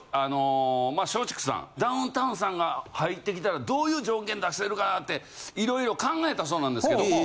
まあ松竹さんダウンタウンさんが入ってきたらどういう条件出せるかなって色々考えたそうなんですけども。